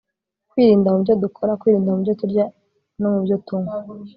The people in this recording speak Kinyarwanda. kwirinda mu byo dukora, kwirinda mu byo turya no mu byo tunywa